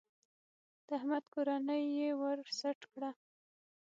د احمد کورنۍ يې ور سټ کړه.